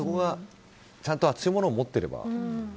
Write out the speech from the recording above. ちゃんと熱いものを持っていれば。